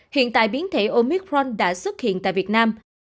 hiện tại biến thể omicron đã xuất hiện tại việt nam